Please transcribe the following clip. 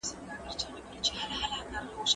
د سولې راتګ د هر افغان لویه هیله ده.